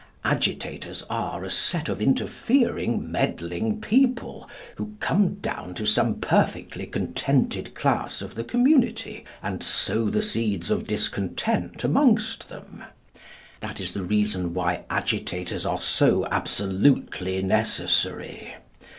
Agitators are a set of interfering, meddling people, who come down to some perfectly contented class of the community, and sow the seeds of discontent amongst them. That is the reason why agitators are so absolutely necessary.